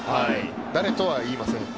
誰とは言いません。